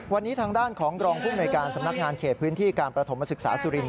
วันนี้ทางด้านของรองภูมิหน่วยการสำนักงานเขตพื้นที่การประถมศึกษาสุรินท